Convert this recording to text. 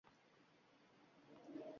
Oylar sultoni muborak bo‘lsin!